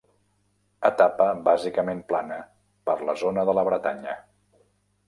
Etapa bàsicament plana per la zona de la Bretanya.